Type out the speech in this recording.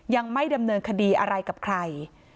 ยังไม่ดำเนินคดีอะไรกับใคร